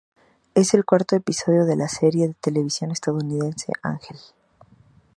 Es el cuarto episodio de la de la serie de televisión estadounidense Ángel.